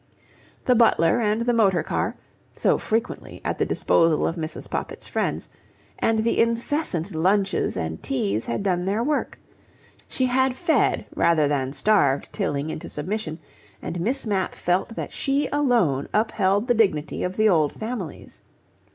The butler and the motor car (so frequently at the disposal of Mrs. Poppit's friends) and the incessant lunches and teas had done their work; she had fed rather than starved Tilling into submission, and Miss Mapp felt that she alone upheld the dignity of the old families.